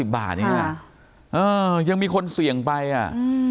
๙๙๙๐บาทยังมีคนเสี่ยงไปอ่ะ